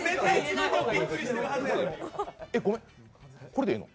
え、ごめん、これでええの？